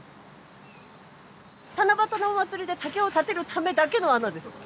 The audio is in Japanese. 七夕のお祭りで竹を立てるためだけの穴です。